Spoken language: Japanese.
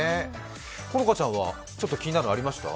好花ちゃんは気になるのありました？